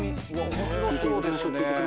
面白そうですね。